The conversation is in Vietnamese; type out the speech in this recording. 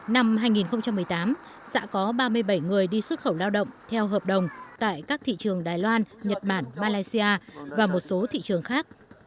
năm hai nghìn một mươi tám xã có ba mươi bảy người đi xuất khẩu lao động theo hợp đồng tại các thị trường đài loan nhật bản malaysia và một số thị trường khác